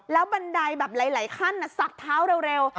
แล้วบันไดแบบหลายขั้นสับเท้าเร็ว